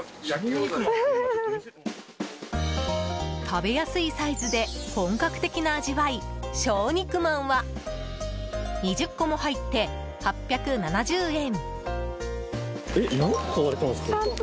食べやすいサイズで本格的な味わい、小肉まんは２０個も入って８７０円。